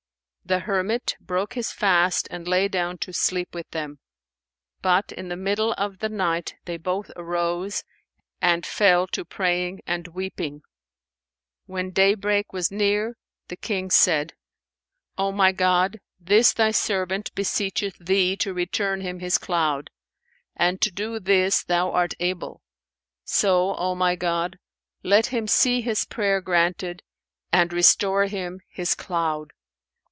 The hermit broke his fast and lay down to sleep with them; but in the middle of the night they both arose and fell to praying and weeping. When daybreak was near, the King said, "O my God, this Thy servant beseecheth Thee to return him his cloud; and to do this Thou art able; so, O my God, let him see his prayer granted and restore him his cloud."